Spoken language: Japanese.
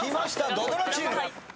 土ドラチーム。